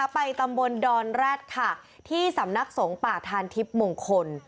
ไปตรวนดอนแรตที่สำนักสงประทานทิศมงคล